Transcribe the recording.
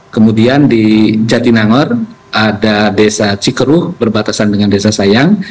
kemudian di jatinangor ada desa cikeruh berbatasan dengan desa sayang